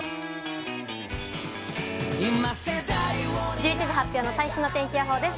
１１時発表の最新の天気予報です。